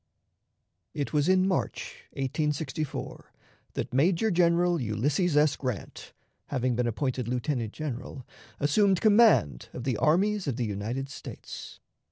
It was in March, 1864, that Major General Ulysses S. Grant, having been appointed lieutenant general, assumed command of the armies of the United States.